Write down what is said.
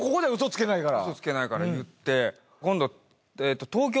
嘘つけないから言って。